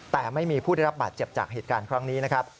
แต่ไม่มีผู้ได้รับบาดเจ็บจากเหตุการณ์ครั้งนี้นะครับ